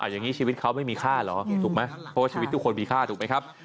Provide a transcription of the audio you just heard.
อย่างนี้ชีวิตเขาไม่มีค่าเหรอถูกไหมเพราะว่าชีวิตทุกคนมีค่าถูกไหมครับ